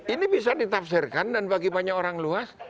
ini bisa ditafsirkan dan bagi banyak orang luas